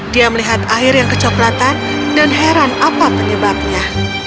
dia melihat air yang kecoklatan dan heran apa penyebabnya